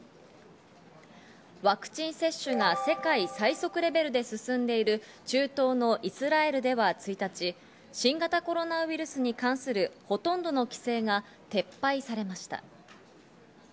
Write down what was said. ワクチン接種が世界最速レベルで進んでいる中東のイスラエルでは１日、新型コロナウイルスに関するほとんどの規制が撤廃されました。